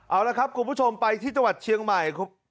เอาละครับคุณผู้ชมไปที่จังหวัดเชียงใหม่